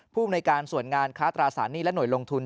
ภูมิในการส่วนงานค้าตราสารหนี้และหน่วยลงทุน